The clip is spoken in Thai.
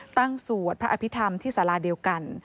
ตั้งสวดพระอภิธรรมที่สาระเดียวกัน